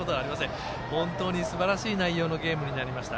本当にすばらしい内容のゲームになりました。